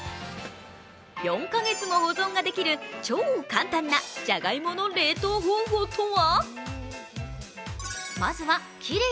４か月も保存ができる超簡単なじゃがいもの冷凍方法とは？